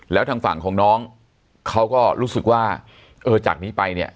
แล้วทางฝั่งของน้องเขาก็รู้สึกว่าเออจากนี้ไปเนี่ย